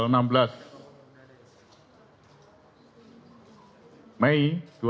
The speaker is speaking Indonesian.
tanggal enam belas mei dua ribu delapan belas